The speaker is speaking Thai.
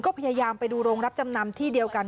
ก็พยายามไปดูโรงรับจำนำที่เดียวกัน